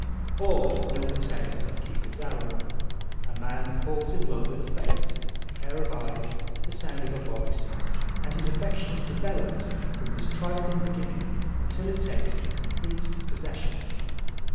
All know the tale of Cupid's arrow. A man falls in love with a face, a pair of eyes, the sound of a voice, and his affection is developed from this trifling beginning until it takes complete possession of him.